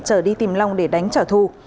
trở đi tìm long để đánh trả thù